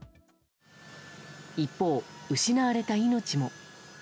一方、失われた命も。